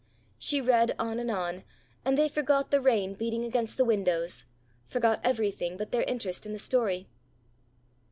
She read on and on, and they forgot the rain beating against the windows, forgot everything but their interest in the story.